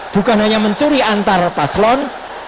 bukan hanya mencuri antar paslon